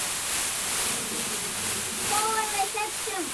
ちんすこうすこ